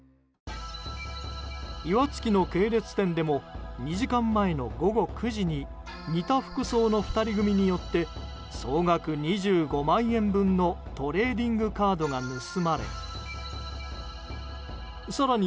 岩槻の系列店でも２時間前の午後９時に似た服装の２人組によって総額２５万円分のトレーディングカードが盗まれ更に